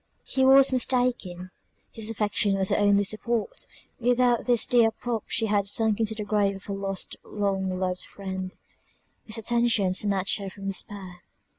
He was mistaken; his affection was her only support; without this dear prop she had sunk into the grave of her lost long loved friend; his attention snatched her from despair.